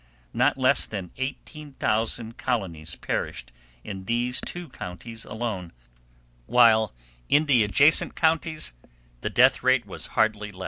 Not less than 18,000 colonies perished in these two counties alone, while in the adjacent counties the death rate was hardly less.